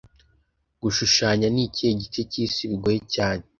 Gushushanya nikihe gice cyisi bigoye cyane